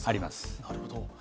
なるほど。